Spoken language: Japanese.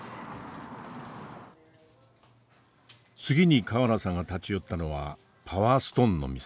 次に川原さんが立ち寄ったのはパワーストーンの店。